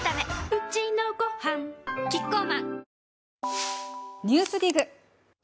うちのごはんキッコーマン